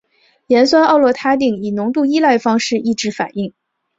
盐酸奥洛他定以浓度依赖方式抑制反应。